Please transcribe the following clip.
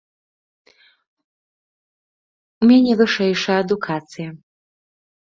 У мяне вышэйшая адукацыя.